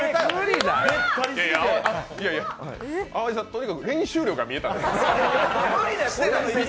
淡路さん、とにかく練習量が見えたんで。